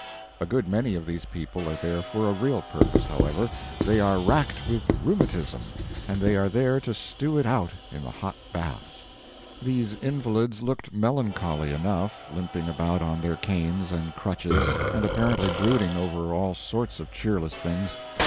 A good many of these people are there for a real purpose, however; they are racked with rheumatism, and they are there to stew it out in the hot baths. These invalids looked melancholy enough, limping about on their canes and crutches, and apparently brooding over all sorts of cheerless things.